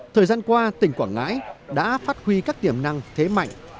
thời gian qua tỉnh quảng ngãi đã phát huy các tiềm năng thế mạnh